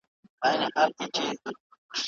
شخصیت د انسان په کړنو کي څرګندیږي.